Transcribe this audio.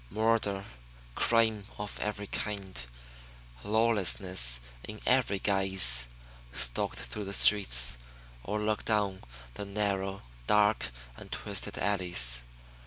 Murder, crime of every kind, lawlessness in every guise, stalked through the streets or lurked down the narrow, dark and twisted alleys.